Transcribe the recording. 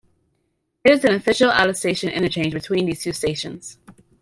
It is an official out-of-station interchange between these two stations.